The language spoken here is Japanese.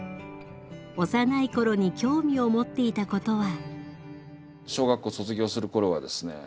幼い頃に興味を持っていたことは。